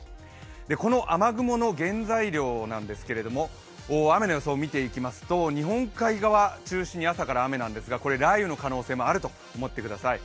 この雨雲の現在量なんですけれども雨の予想を見ていきますと、日本海側を中心に朝から雨なんですが雷雨の可能性もあると思ってください。